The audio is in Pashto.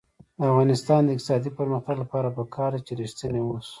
د افغانستان د اقتصادي پرمختګ لپاره پکار ده چې ریښتیني اوسو.